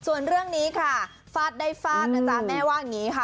ส่วนเรื่องนี้ค่ะฟาดได้ฟาดนะจ๊ะแม่ว่าอย่างนี้ค่ะ